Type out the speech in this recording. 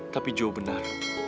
tapi joe benar